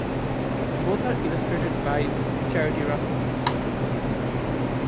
Both are illustrated by Charity Russell.